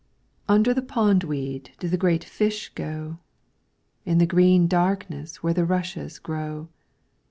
Under the pondweed do the great fish go, In the green darkness where the rushes grow.